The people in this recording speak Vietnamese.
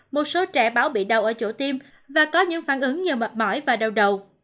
một số trẻ báo bị đau ở chỗ tim và có những phản ứng nhờ mệt mỏi và đau đầu